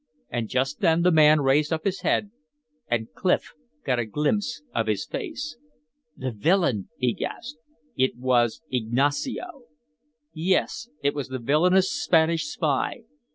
And just then the man raised up his head and Clif got a glimpse of his face. "The villain!" he gasped. It was Ignacio! Yes, it was the villainous Spanish spy.